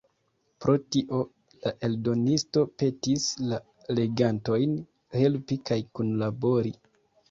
Pro tio la eldonisto petis la legantojn helpi kaj kunlabori.